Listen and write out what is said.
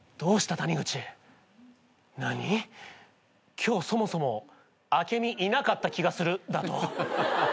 「今日そもそもアケミいなかった気がする」だと？